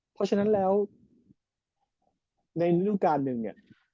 เพราะฉะนั้นแล้วในฤดูการหนึ่งเนี่ย